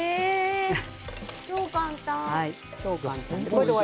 超簡単。